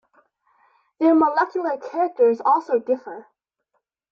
Their molecular characters also differ.